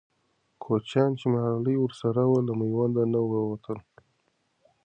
کوچیان چې ملالۍ ورسره وه، له میوند نه ووتل.